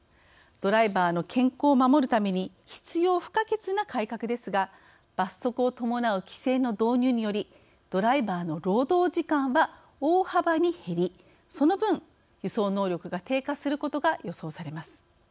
ドライバーの健康を守るために必要不可欠な改革ですが罰則を伴う規制の導入によりドライバーの労働時間は大幅に減りその分輸送能力が低下することが予想されます。